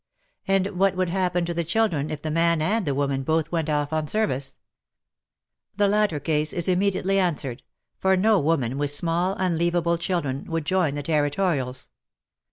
And what would happen to the children if the man and the woman both went off on service ? The latter case is immediately answered, for no woman with small, unleavable children would join the Territorials.